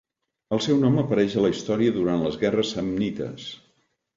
El seu nom apareix a la història durant les guerres samnites.